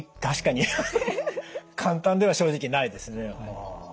確かに簡単では正直ないですね。